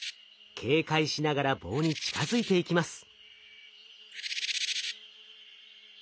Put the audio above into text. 警戒しながら棒に近づいていきます。